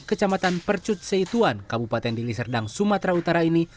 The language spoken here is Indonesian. kecamatan percut seituan kabupaten dili serdang sumatera utara ini